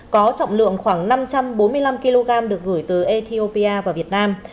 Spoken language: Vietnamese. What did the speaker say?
có trọng lượng khoảng năm trăm bốn mươi năm kg được gửi từ ethiopia vào việt nam